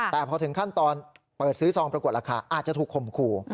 แต่พอถึงขั้นตอนเปิดซื้อซองปรากฏราคาอาจจะถูกข่มขู่